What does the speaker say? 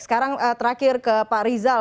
sekarang terakhir ke pak rizal